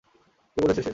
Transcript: কী বলেছে সে?